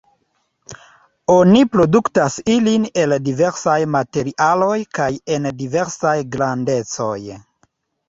Oni produktas ilin el diversaj materialoj kaj en diversaj grandecoj.